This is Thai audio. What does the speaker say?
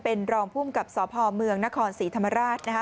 เป็นรองพุ่มกับสอบภอมเมืองนครสีธรรมาราช